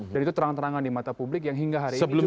dan itu terang terangan di mata publik yang hingga hari ini juga